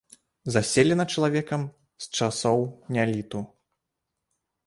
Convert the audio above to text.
Заселена чалавекам з часоў неаліту.